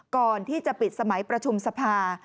ก่อนที่จะปิดสมัยประชุมสภา